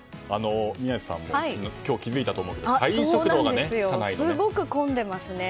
宮司さんも今日気づいたと思うけどすごく混んでますね。